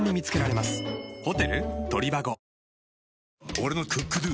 俺の「ＣｏｏｋＤｏ」！